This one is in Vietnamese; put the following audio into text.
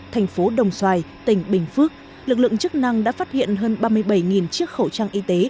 thành phố đồng xoài tỉnh bình phước lực lượng chức năng đã phát hiện hơn ba mươi bảy chiếc khẩu trang y tế